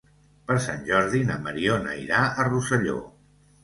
Per Sant Jordi na Mariona irà a Rosselló.